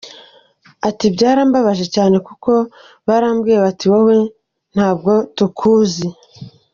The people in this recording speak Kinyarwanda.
Ati “ Byarambabaje cyane kuko barambwiye bati wowe ntabwo tukuzi.